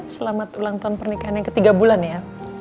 selamat ulang tahun pernikahan yang ketiga bulan ya